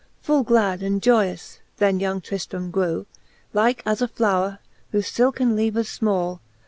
Full glad and joyous then young Tnfiram grew, Like as a flowre, whofe filken leaves fmall.